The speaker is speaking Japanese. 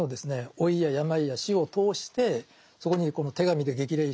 老いや病や死を通してそこにこの手紙で激励したりする。